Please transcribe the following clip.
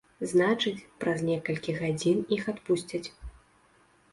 Значыць, праз некалькі гадзін іх адпусцяць.